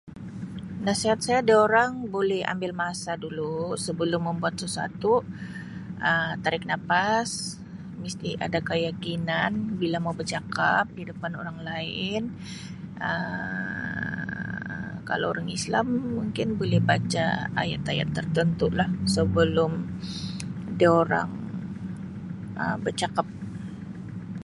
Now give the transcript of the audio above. Nasihat saya diorang boleh ambil masa dulu sebelum membuat sesuatu ah tarik nafas mesti ada keyakinan bila mau bercakap di depan orang lain err kalau orang islam mungkin boleh baca ayat ayat tertentu lah sebelum diorang ah becakap